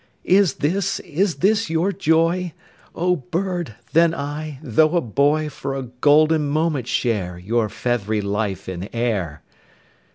'Is this, is this your joy? O bird, then I, though a boy 10 For a golden moment share Your feathery life in air!